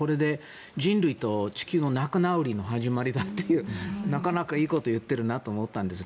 人類と地球の仲直りの始まりだというなかなかいいことを言っているなと思ったんです。